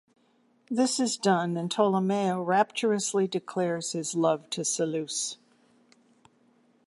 This is done and Tolomeo rapturously declares his love to Seleuce.